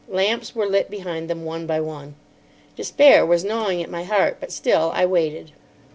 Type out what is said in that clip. Lamps were lit behind them, one by one. Despair was gnawing at my heart, but still I waited.